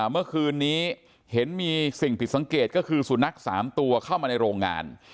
เมื่อคืนนี้เห็นมีสิ่งผิดสังเกตก็คือสุนัข๓ตัวเข้ามาในโรงงาน